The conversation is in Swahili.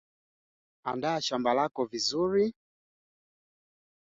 Kudhibiti ugonjwa wa mapele ya ngozi epuka kulishia mifugo katika maeneo yenye inzi wengi